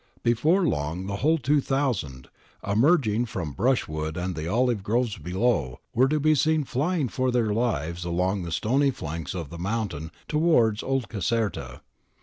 Before long the whole two thousand, emerging from brush wood and the olive groves below, were to be seen flying for their lives along the stony flanks of the mountain towards Old Caserta.